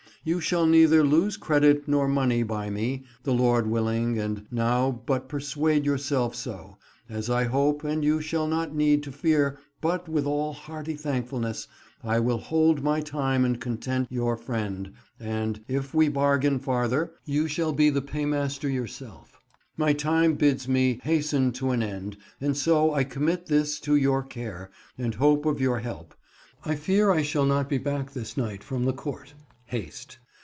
Yow shall nether loase credytt nor monney by me, the Lorde wyllinge; & nowe butt perswade yowrself soe, as I hope, & yow shall not need to feare butt with all hartie thanckefullenes I wyll holde my tyme & content yowr ffrende, & yf we Bargaine farther, yow shalbe the paiemr. yowrselfe. My tyme biddes me hastene to an ende, & soe I commit thys [to] yowr care, & hope of your helpe. I feare I shall nott be backe thys night ffrom the Cowrte. Haste.